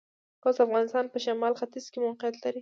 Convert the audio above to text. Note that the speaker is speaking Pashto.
خوست د افغانستان پۀ شمالختيځ کې موقعيت لري.